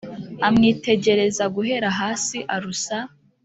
amwitegereza guhera hasi arusa